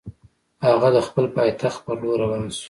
هغه د خپل پایتخت پر لور روان شو.